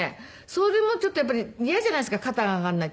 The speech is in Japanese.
それもちょっとやっぱり嫌じゃないですか肩が上がらない。